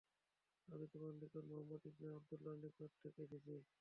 আমি তোমার নিকট মুহাম্মদ ইবনে আবদুল্লাহর নিকট থেকে এসেছি।